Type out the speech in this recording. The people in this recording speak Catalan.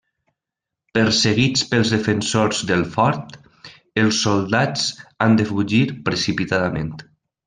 Perseguits pels defensors del Fort, els soldats han de fugir precipitadament.